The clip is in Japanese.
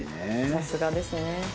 さすがですね。